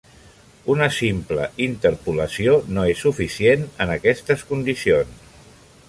Una simple interpolació, no és suficient en aquestes condicions.